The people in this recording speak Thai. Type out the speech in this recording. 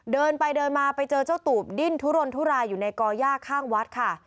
เดินไปเดินมาไปเจอเจ้าตูบดิ้นทุรนทุรายอยู่ในก่อย่าข้างวัดค่ะ